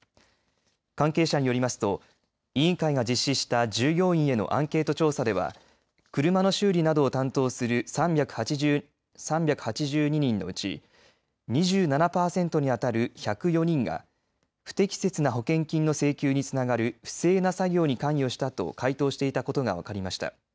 関係者によりますと委員会が実施した従業員へのアンケート調査では車の修理などを担当する３８２人のうち２７パーセントに当たる１０４人が不適切な保険金の請求につながる不正な作業に関与したと回答していたことが分かりました。